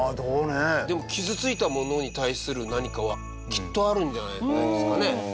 でも、傷ついた者に対する何かはきっとあるんじゃないですかね。